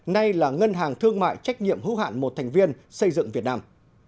nay là ngân hàng thương mại trách nhiệm hữu hạn một thành viên xây dựng việt nam